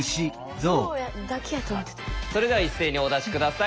それでは一斉にお出し下さい。